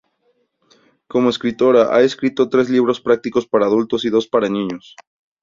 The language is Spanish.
Como escritora ha escrito tres libros prácticos para adultos y dos para niños.